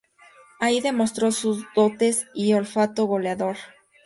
Ahí demostró sus dotes y olfato goleador.